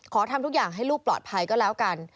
ทำทุกอย่างให้ลูกปลอดภัยก็แล้วกัน